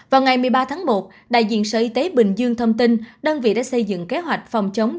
vào ngày một mươi ba tháng một đại diện sở y tế bình dương thông tin đơn vị đã xây dựng kế hoạch phòng chống